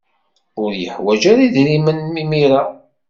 Ur yeḥwaj ara idrimen imir-a.